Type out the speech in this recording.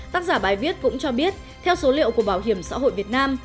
tác giả bài viết cũng cho biết theo số liệu của bảo hiểm xã hội việt nam